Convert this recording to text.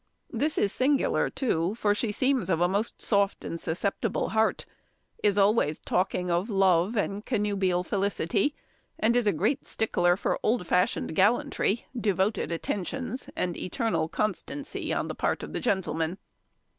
This is singular too, for she seems of a most soft and susceptible heart: is always talking of love and connubial felicity; and is a great stickler for old fashioned gallantry, devoted attentions, and eternal constancy, on the part of the gentlemen.